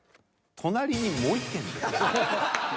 隣にもう一軒で。